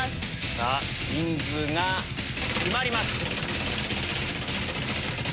さぁ人数が決まります。